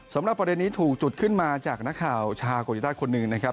สำหรับประเด็นนี้ถูกจุดขึ้นมาจากนักข่าวชาวโกยต้าคนหนึ่งนะครับ